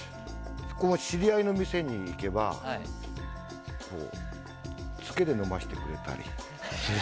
知り合いの店に行けばツケで飲ませてくれたり。